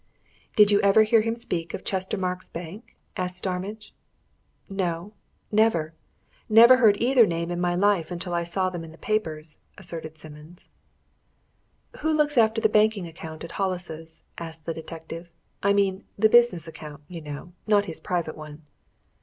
"Did you ever hear him speak of Chestermarke's Bank?" asked Starmidge. "No never! Never heard either name in my life until I saw them in the papers," asserted Simmons. "Who looks after the banking account at Hollis's?" asked the detective. "I mean, the business account you know. Not his private one."